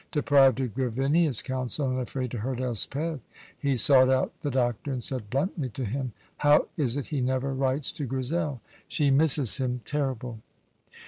Deprived of Gavinia's counsel, and afraid to hurt Elspeth, he sought out the doctor and said bluntly to him, "How is it he never writes to Grizel? She misses him terrible."